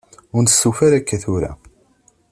Ur nestufa ara akka tura.